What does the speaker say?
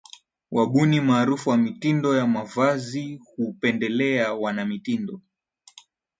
Wabuni maarufu wa mitindo ya mavazi hupendelea wanamitindo